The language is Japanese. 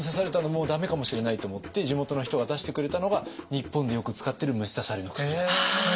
もう駄目かもしれないと思って地元の人が出してくれたのが日本でよく使ってる虫刺されの薬。